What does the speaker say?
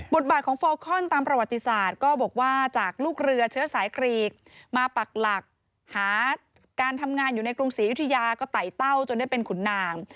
บาทของฟอลคอนตามประวัติศาสตร์ก็บอกว่าจากลูกเรือเชื้อสายกรีกมาปักหลักหาการทำงานอยู่ในกรุงศรียุธยาก็ไต่เต้าจนได้เป็นขุนนาง